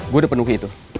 gue udah penuhi itu